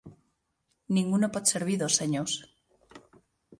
Ningú no pot servir dos senyors.